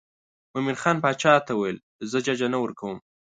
مومن خان باچا ته وویل زه ججه نه ورکوم.